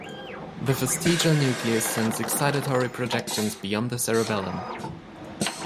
The fastigial nucleus sends excitatory projections beyond the cerebellum.